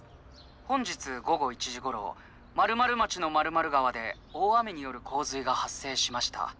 本日午後１時ごろ○○町の○○川で大雨によるこう水がはっ生しました。